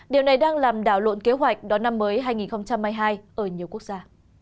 điều này đang làm đảo lộn kế hoạch đón năm mới hai nghìn hai mươi hai ở nhiều quốc gia